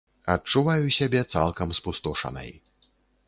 Адчуваю сябе цалкам спустошанай.